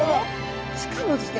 しかもですね